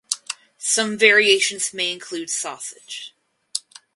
Some variations may include sausage.